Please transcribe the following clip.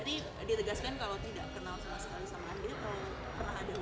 berarti ditegaskan kalau tidak kenal sama sekali sama andi atau pernah ada hubungan